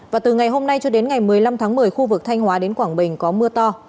và từ ngày hôm nay cho đến ngày một mươi năm tháng một mươi khu vực thanh hóa đến quảng bình có mưa to